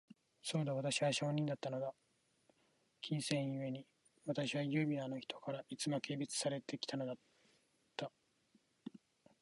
そうだ、私は商人だったのだ。金銭ゆえに、私は優美なあの人から、いつも軽蔑されて来たのだっけ。